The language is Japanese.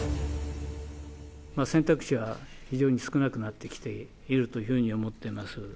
選択肢は非常に少なくなってきているというふうに思ってます。